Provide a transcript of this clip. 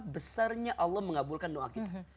besarnya allah mengabulkan doa kita